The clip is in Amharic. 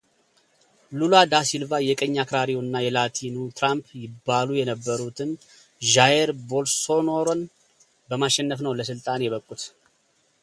ሉላ ዳ ሲልቫ የቀኝ አክራሪውና የላቲኑ ትራምፕ ይባሉ የነበሩትን ዣየር ቦልሶናሮን በማሸነፍ ነው ለሥልጣን የበቁት።